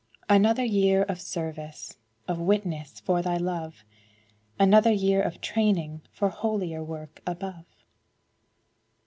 Another year of service, Of witness for Thy love; Another year of training For holier work above.